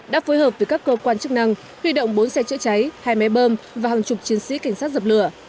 đã phối hợp với các cơ quan chức năng huy động bốn xe chữa cháy hai máy bơm và hàng chục chiến sĩ cảnh sát dập lửa